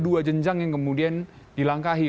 dua jenjang yang kemudian dilangkahi